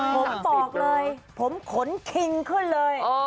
ผมบอกเลยผมขนคิงขึ้นเลย